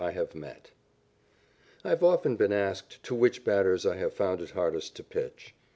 _ I have often been asked to which batters I have found it hardest to pitch.